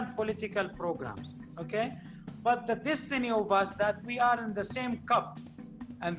tapi kemampuan kita adalah kita berada di dalam cup yang sama